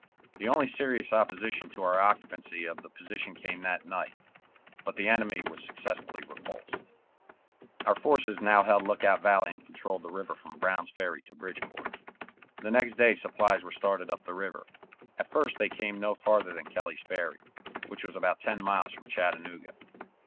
The only serious opposition to our occupancy of the position came that night, but the enemy was successfully repulsed. Our forces now held Lookout Valley and controlled the river from Brown's Ferry to Bridgeport. The next day supplies were started up the river. At first they came no farther than Kelley's Ferry, which was about ten miles from Chattanooga.